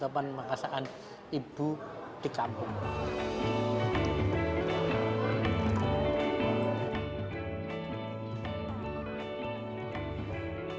perasaan ibu di kampung